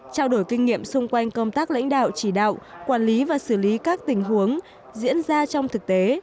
trao đổi kinh nghiệm xung quanh công tác lãnh đạo chỉ đạo quản lý và xử lý các tình huống diễn ra trong thực tế